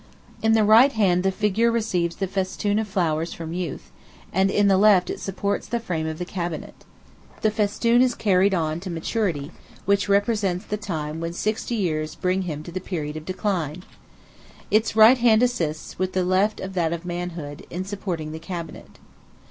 In the right hand the figure receives the festoon of flowers from Youth, and in the left it supports the frame of the cabinet. The festoon is carried on to Maturity, which represents the time when sixty years bring him to the period of decline. Its right hand assists, with the left of that of Manhood, in supporting the cabinet.